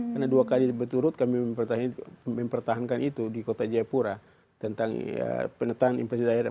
karena dua kali berturut kami mempertahankan itu di kota jayapura tentang penataan inflasi daerah